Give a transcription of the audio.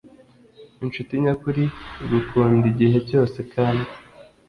incuti nyakuri igukunda igihe cyose kandi